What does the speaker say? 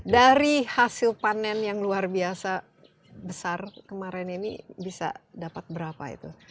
dari hasil panen yang luar biasa besar kemarin ini bisa dapat berapa itu